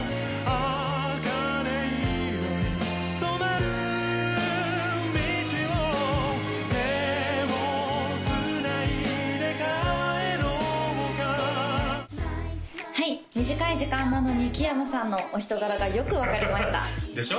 茜色に染まる道を手を繋いで帰ろうかはい短い時間なのに木山さんのお人柄がよく分かりましたでしょ？